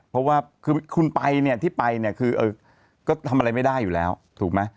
เพราะว่าคุณไปที่ไปก็ทำอะไรไม่ได้อยู่แล้วถูกไหม